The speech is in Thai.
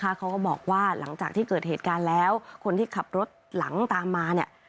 เขาก็บอกว่าหลังจากที่เกิดเหตุการณ์แล้วคนที่ขับรถหลังตามมาเนี่ย